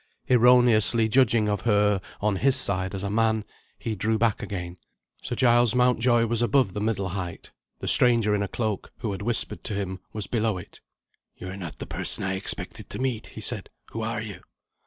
Erroneously judging of her, on his side, as a man, he drew back again. Sir Giles Mountjoy was above the middle height; the stranger in a cloak, who had whispered to him, was below it. "You are not the person I expected to meet," he said. "Who are you?"